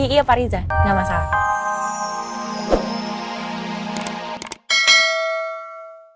iya pak riza gak masalah